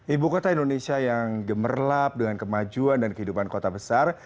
ibu kota indonesia yang gemerlap dengan kemajuan dan kehidupan kota besar